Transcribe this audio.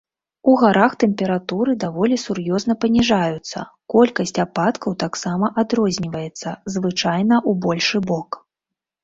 У гарах тэмпературы даволі сур'ёзна паніжаюцца, колькасць ападкаў таксама адрозніваецца, звычайна ў большы бок.